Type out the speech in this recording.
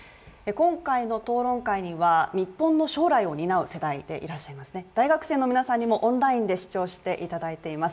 今回の討論会には日本の将来を担う世代でいらっしゃいます大学生の皆さんにもオンラインで視聴していただいております。